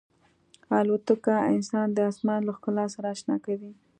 الوتکه انسان د آسمان له ښکلا سره اشنا کوي.